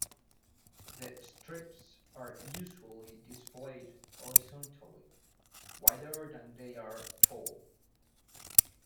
The strips are usually displayed horizontally, wider than they are tall.